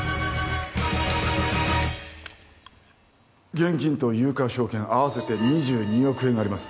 現金と有価証券合わせて２２億円あります